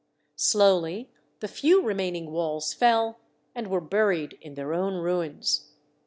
Slowly the few remaining walls fell, and were buried in their own ruins.